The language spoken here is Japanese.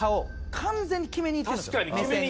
完全に決めにいってるんですよ目線が。